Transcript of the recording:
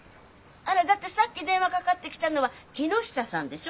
あらだってさっき電話かかってきたのは木下さんでしょ？